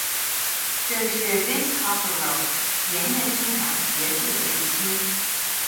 这是 Bischofferode 盐业生产结束的日期。